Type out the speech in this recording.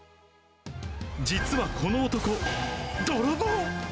実はこの男、泥棒。